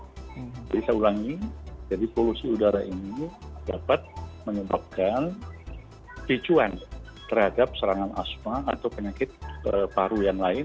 jadi saya ulangi jadi polusi udara ini dapat menyebabkan picuan terhadap serangan asma atau penyakit paru yang lain